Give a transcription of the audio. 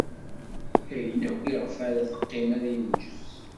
Ayen akk iɣef ara teqqim, ad inǧes.